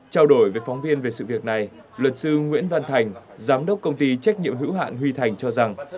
trao đổi với phóng viên về sự việc này luật sư nguyễn văn thành giám đốc công ty trách nhiệm hữu hạn huy thành cho rằng